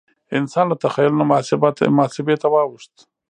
انسان له تخیل نه محاسبه ته واوښت.